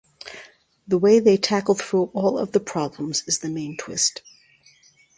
The way they tackle through all of the problems is the main twist.